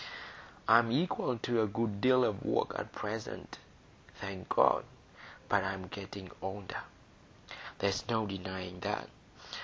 I'm equal to a good deal o' work at present, thank God; but I'm getting older,—there's no denying that.